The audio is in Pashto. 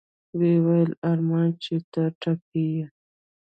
ويې ويل ارمان چې ته ټپي يې.